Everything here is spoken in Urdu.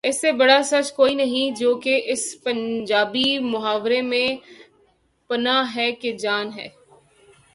اس سے بڑا سچ کوئی نہیں جو کہ اس پنجابی محاورے میں پنہاں ہے کہ جان ہے۔